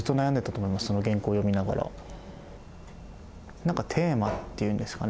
なんかテーマっていうんですかね